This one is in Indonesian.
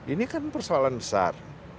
ini kan persoalan besar